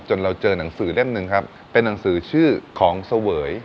เราเจอหนังสือเล่มหนึ่งครับเป็นหนังสือชื่อของเสวย